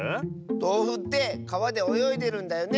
とうふってかわでおよいでるんだよね。